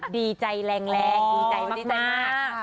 ดีใจแรงดีใจมาก